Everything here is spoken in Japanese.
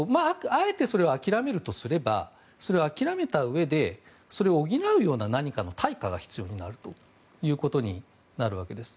あえて、それを諦めるとすればそれを諦めたうえでそれを補うような何かの対価が必要になるということになるわけです。